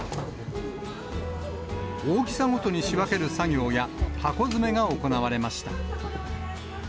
大きさごとに仕分ける作業や、箱詰めが行われました。